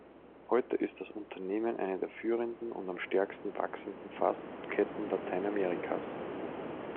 Heute ist das Unternehmen eine der führenden und am stärksten wachsenden Fastfood-Ketten Lateinamerikas.